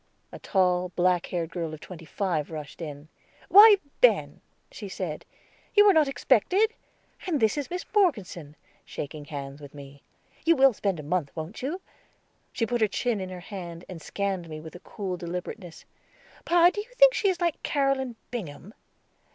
A tall, black haired girl of twenty five rushed in. "Why, Ben," she said, "you were not expected. And this is Miss Morgeson," shaking hands with me. "You will spend a month, won't you?" She put her chin in her hand, and scanned me with a cool deliberateness. "Pa, do you think she is like Caroline Bingham?"